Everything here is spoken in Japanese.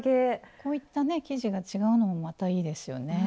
こういった生地が違うのもまたいいですよね。